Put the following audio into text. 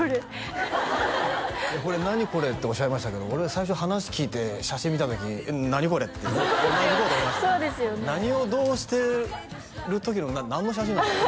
これ「何？これ」っておっしゃいましたけど俺最初話聞いて写真見た時「何？これ」って同じこと思いました何をどうしてる時の何の写真なんですか？